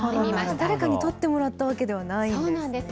誰かに撮ってもらったわけではないんですね。